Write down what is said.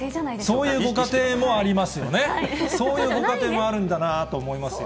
そういうご家庭もありますよね、そういうご家庭もあるんだなと思います。